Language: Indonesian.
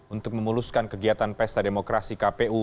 untuk memuluskan kegiatan pesta demokrasi kpu